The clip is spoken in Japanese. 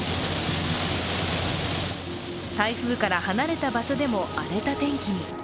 台風から離れた場所でも荒れた天気に。